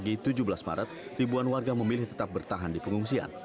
pagi tujuh belas maret ribuan warga memilih tetap bertahan di pengungsian